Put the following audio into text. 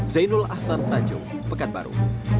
zainul ahsan tanjung pekat baru